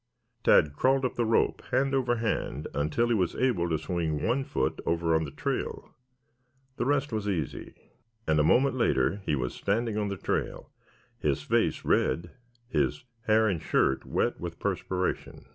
Tad crawled up the rope hand over hand until he was able to swing one foot over on the trail. The rest was easy, and a moment later he was standing on the trail, his face red, his hair and shirt wet with perspiration.